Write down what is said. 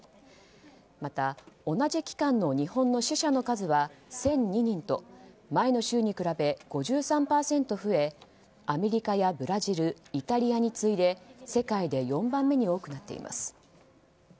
また同じ期間の日本の死者の数は１００２人と前の週に比べ５３％増えアメリカやブラジルイタリアに次いで世界で４番目に多くなっています。